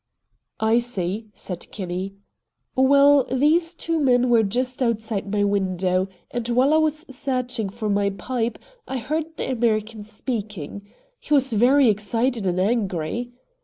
"I see," said Kinney. "Well, these two men were just outside my window, and, while I was searching for my pipe, I heard the American speaking. He was very excited and angry.